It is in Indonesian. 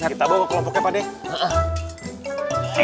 kita bawa ke kelompoknya pade